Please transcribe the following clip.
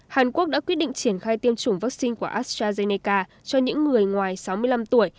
hàn quốc đã quyết định triển khai tiêm chủng vaccine của astrazeneca cho những người ngoài sáu mươi năm tuổi